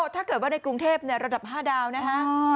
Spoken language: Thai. ถ้าเกิดว่าในกรุงเทพระดับ๕ดาวนะฮะ